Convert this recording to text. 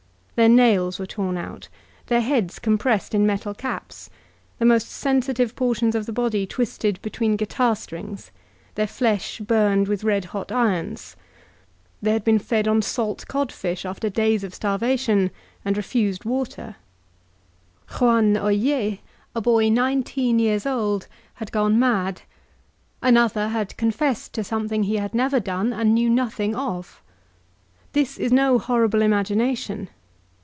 Their nails were torn out, their heads compressed in metal caps, the most The Making of an Anarchist i6i sensitive portions of the body twisted between guitar strings, their flesh burned with red hot irons; they had been fed on salt codfish after days of starvation, and refused water; Juan OUe, a boy nineteen years old, had gone mad; another had confessed to something he had never done and knew nothing of. This is no horrible im agination.